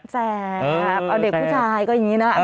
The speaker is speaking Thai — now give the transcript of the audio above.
แสบเอาเด็กผู้ชายก็อย่างนี้นะ